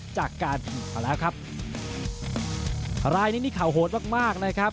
จากการถีบเขาแล้วครับรายนิดนึงเขาโหดมากนะครับ